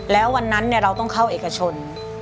แล้ววันนั้นเราต้องเข้าเอกชน